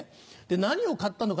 何を買ったのか？